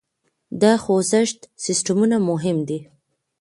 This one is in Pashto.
د خوزښت سیسټمونه مهم دي.